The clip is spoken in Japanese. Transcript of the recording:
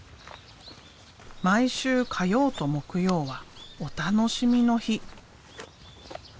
毎週火曜と木曜はお楽しみの日。